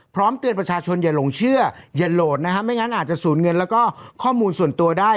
เตือนประชาชนอย่าหลงเชื่ออย่าโหลดนะฮะไม่งั้นอาจจะสูญเงินแล้วก็ข้อมูลส่วนตัวได้